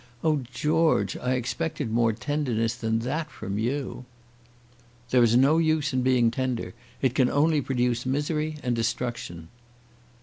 Oh, George, I expected more tenderness than that from you." "There is no use in being tender. It can only produce misery and destruction."